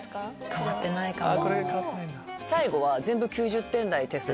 変わってないかも。